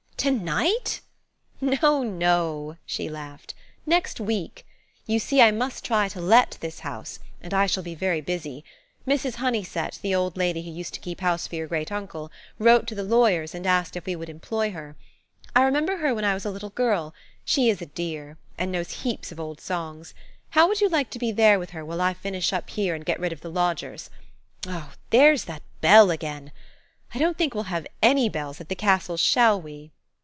"To night?" "No, no," she laughed; "next week. You see, I must try to let this house, and I shall be very busy. Mrs. Honeysett, the old lady who used to keep house for your great uncle, wrote to the lawyers and asked if we would employ her. I remember her when I was a little girl; she is a dear, and knows heaps of old songs. How would you like to be there with her while I finish up here and get rid of the lodgers? Oh, there's that bell again! I don't think we'll have any bells at the castle, shall we?"